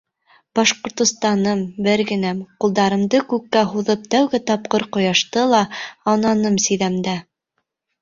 Башҡортостаным, бергенәм, Ҡулдарымды күккә һуҙып Тәүге тапҡыр ҡояшты ла, Аунаным сиҙәмеңдә.